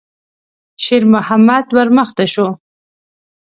شېرمحمد ور مخته شو.